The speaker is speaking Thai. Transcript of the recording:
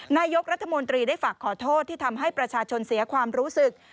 นายกรัฐมนตรีได้ฝากขอโทษที่ทำให้ประชาชนเสียความรู้สึก